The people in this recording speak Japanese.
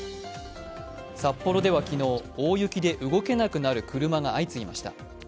札幌では昨日、大雪で動けなくなる車が相次ぎました。